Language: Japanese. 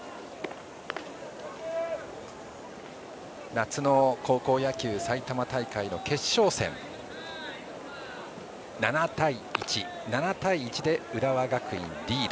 夏の高校野球埼玉大会の決勝戦７対１で浦和学院リード。